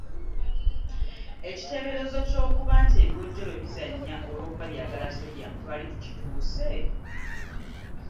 Ekiteeberezo ky’okuba nti ebiwojjolo bizannya olw’okuba byagala sodium twali tukituuse?